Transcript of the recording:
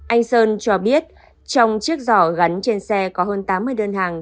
anh sơn cho biết trong chiếc giỏ gắn trên xe có hơn tám mươi đơn hàng